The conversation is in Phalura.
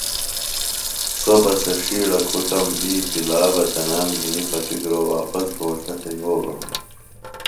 سوۡ بہ سےۡ ݜیڑہ کُھٹم وِی پلا بہ تنام گھنیۡ پتوۡگِرا واپس گھوݜٹہ تھےۡ یھولوۡ ہِنوۡ